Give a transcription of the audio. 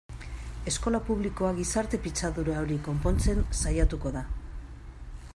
Eskola publikoa gizarte pitzadura hori konpontzen saiatuko da.